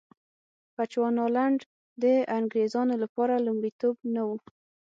بچوانالنډ د انګرېزانو لپاره لومړیتوب نه و.